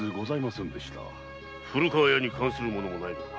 古河屋に関するものもないのか？